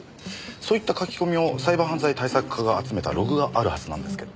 そういった書き込みをサイバー犯罪対策課が集めたログがあるはずなんですけど。